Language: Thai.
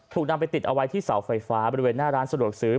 ถูกนำไปติดเอาไว้ที่เสาไฟฟ้าบริเวณหน้าร้านสะดวกซื้อ